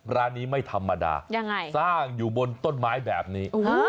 ร้านนี้ไม่ธรรมดายังไงสร้างอยู่บนต้นไม้แบบนี้